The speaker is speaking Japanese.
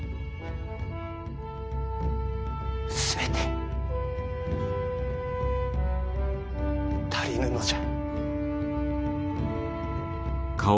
全て足りぬのじゃ。